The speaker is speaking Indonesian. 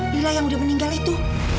lila yang udah meninggal itu